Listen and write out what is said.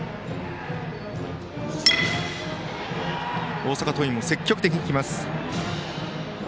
大阪桐蔭も積極的にきます。